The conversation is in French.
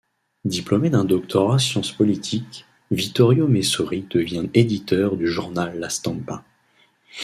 Diplômé d'un doctorat sciences politiques, Vittorio Messori devient éditeur du journal La Stampa.